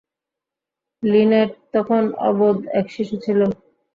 Linate তখন অবোধ এক শিশু ছিল।